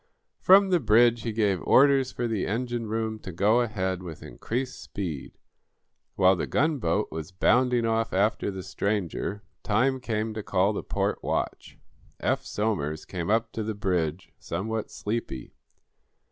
From the bridge he gave orders for the engine room to go ahead with increased speed. While the gunboat was bounding off after the stranger, time came to call the port watch. Eph Somers came up to the bridge, somewhat sleepy.